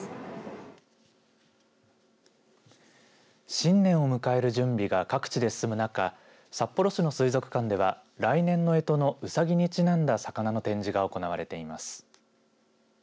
新年を迎える準備が各地で進む中札幌市の水族館では来年のえとのうさぎにちなんだ魚の展示が行われています。